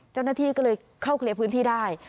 เจ้าหน้าที่ก็เลยเข้าเคลียร์พื้นที่ได้